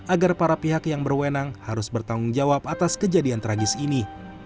agar para pihak yang berwenang harus bertanggung jawab atas kejadian tragis ini